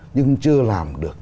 nhưng chưa làm được